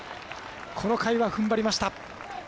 この回は踏ん張りました。